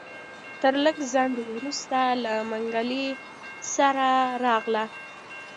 تر لږ ځنډ وروسته له منګلي سره راغله.